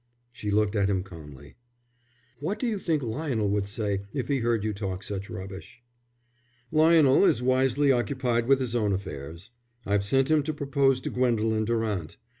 She looked at him calmly. "What do you think Lionel would say if he heard you talk such rubbish?" "Lionel is wisely occupied with his own affairs. I've sent him to propose to Gwendolen Durant.